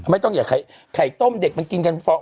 ไม่ต้องอย่าไข่ต้มเด็กมันกินกันฟอง